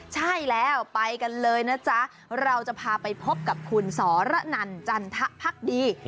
ใช่แล้วไปกันเลยนะจ๊ะเราจะพาไปพบกับคุณสรนันจันทะพักดี